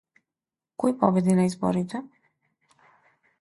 Кој победи на изборите?